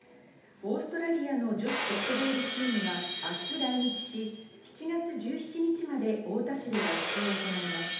オーストラリアの女子ソフトボールチームは、あす来日し、７月１７日まで太田市で合宿を行います。